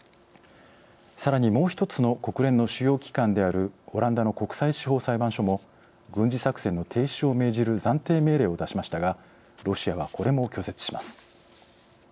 さらにもう一つの国連の主要機関であるオランダの国際司法裁判所も軍事作戦の停止を命じる暫定命令を出しましたがロシアはこれも拒絶します。